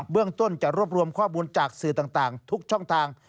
เรื่องต้นจะรวบรวมข้อมูลจากสื่อต่างทุกช่องทาง